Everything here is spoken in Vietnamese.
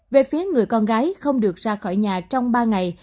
về phía người con gái không được ra khỏi nhà trong ba ngày